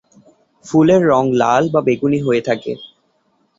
ফুলের রঙ লাল বা বেগুনি হয়ে থাকে।